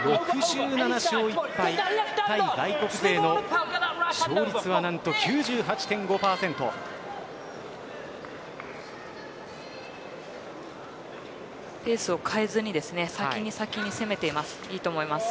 ６７勝１敗対外国勢の勝率は何とペースを変えずに先に先に攻めています。